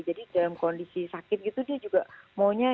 jadi dalam kondisi sakit gitu dia juga maunya